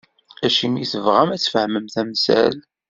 Acimi i tebɣam, a-tt-fehmem temsal?